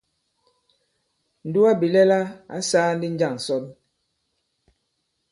Ǹdugabìlɛla ǎ sāā ndī njâŋ ǹsɔn ?